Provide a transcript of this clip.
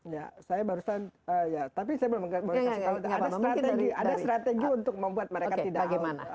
ya saya barusan tapi saya belum mengatakan ada strategi untuk membuat mereka tidak walk out oke bagaimana